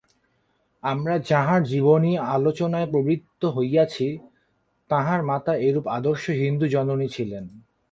আমরা যাঁহার জীবনী আলোচনায় প্রবৃত্ত হইয়াছি, তাঁহার মাতা এইরূপ আদর্শ হিন্দু জননী ছিলেন।